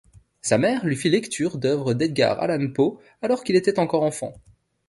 Sa mère lui fit lecture d'œuvres d'Edgar Allan Poe alors qu'il était encore enfant.